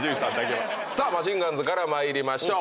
さあマシンガンズから参りましょう。